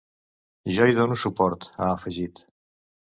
Jo hi dono suport, ha afegit.